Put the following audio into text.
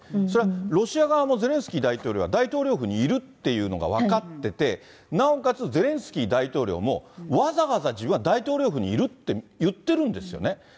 それはロシア側もゼレンスキー大統領が大統領府にいるっていうのが分かってて、なおかつゼレンスキー大統領もわざわざ自分は大統領府にいるって言ってるんですよね。